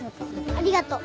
ありがとう。